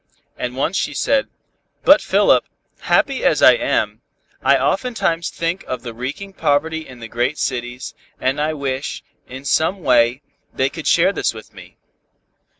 And once she said, "But, Philip, happy as I am, I oftentimes think of the reeking poverty in the great cities, and wish, in some way, they could share this with me."